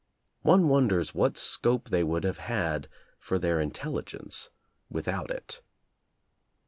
One wonders what scope they would have had for their intelligence without it.